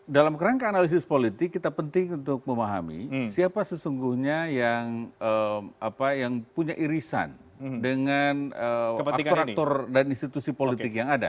dalam kerangka analisis politik kita penting untuk memahami siapa sesungguhnya yang punya irisan dengan aktor aktor dan institusi politik yang ada